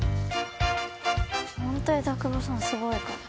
ホント枝久保さんすごいから。